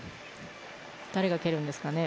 誰が蹴るんですかね。